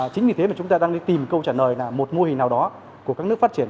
chính vì thế mà chúng ta đang đi tìm câu trả lời là một mô hình nào đó của các nước phát triển